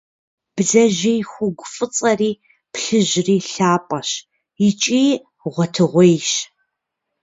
Бдзэжьей хугу фӏыцӏэри плъыжьри лъапӏэщ икӏи гъуэтыгъуейщ.